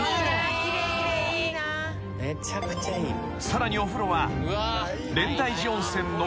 ［さらにお風呂は］